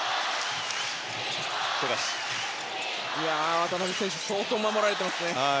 渡邊選手相当守られていますね。